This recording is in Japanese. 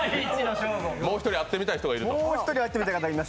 もう一人会ってみたい人がいると。